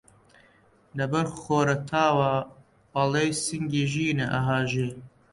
لەبەر خۆرەتاوا ئەڵێی سینگی ژینە ئەهاژێ